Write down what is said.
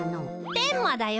テンマだよ。